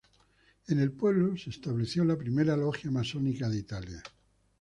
En el pueblo se estableció la primera logia masónica de Italia.